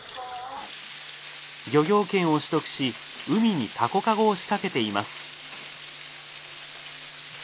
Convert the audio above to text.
漁業権を取得し海にタコ籠を仕掛けています。